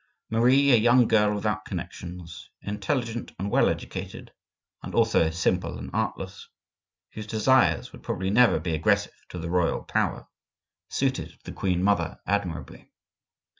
Marie, a young girl without connections, intelligent and well educated, and also simple and artless, whose desires would probably never be aggressive to the royal power, suited the queen mother admirably.